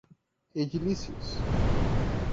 edilícios